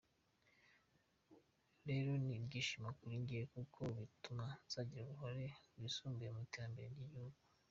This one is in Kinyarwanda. Rero ni ibyishimo kuri jyewe kuko bituma nzagira uruhare rwisumbuye mu iterambere ry’igihugu.